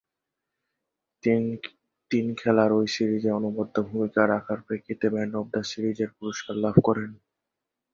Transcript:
তিন খেলার ঐ সিরিজে অনবদ্য ভূমিকা রাখার প্রেক্ষিতে ম্যান অব দ্য সিরিজের পুরস্কার লাভ করেন।